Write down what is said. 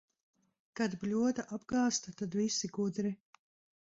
Kad bļoda apgāzta, tad visi gudri.